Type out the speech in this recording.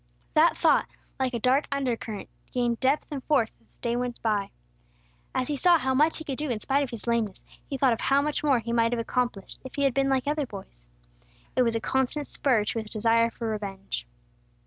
That thought, like a dark undercurrent, gained depth and force as the days went by. As he saw how much he could do in spite of his lameness, he thought of how much more he might have accomplished, if he had been like other boys. It was a constant spur to his desire for revenge.